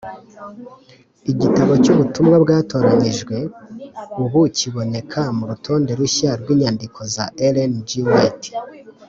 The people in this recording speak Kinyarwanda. Igitabo cy’Ubutumwa Bwatoranyijwe ubu kiboneka mu rutonde rushya rw’inyandiko za Ellen G. White.